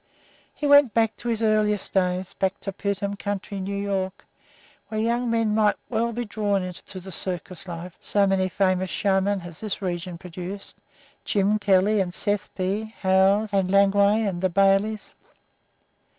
He went back to his earliest days, back to Putnam County, New York, where young men might well be drawn to the circus life, so many famous showmen has this region produced "Jim" Kelly and Seth B. Howes and Langway and the Baileys.